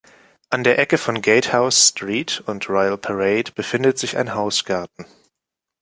An der Ecke von Gatehouse Street und Royal Parade befindet sich ein Hausgarten.